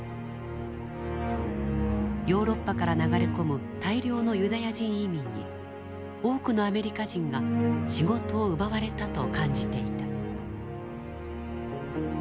ヨーロッパから流れ込む大量のユダヤ人移民に多くのアメリカ人が仕事を奪われたと感じていた。